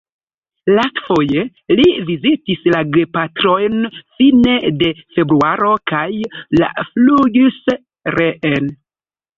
Lastfoje li vizitis la gepatrojn fine de februaro kaj la flugis reen.